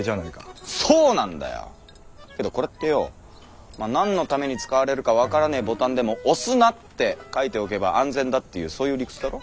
けどこれってよォまあ何のために使われるか分からねーボタンでも「押すな」って書いておけば安全だっていうそういう理屈だろ？